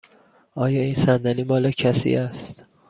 آیا این صندلی مال کسی است؟